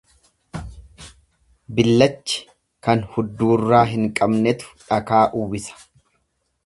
Billachi kan hudduurraa hin qabnetu dhakaa uwwisa.